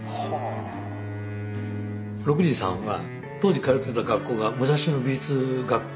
禄二さんは当時通ってた学校が武蔵野美術学校